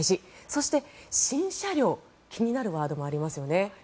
そして、新車両気になるワードもありますよね。